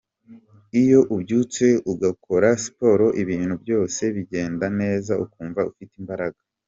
Iyo ubyutse ugakora siporo, ibintu byose bigenda neza ukumva ufite imbaraga.